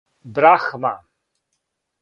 Брахма